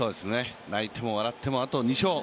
泣いても笑ってもあと２勝。